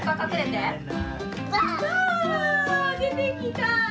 でてきた！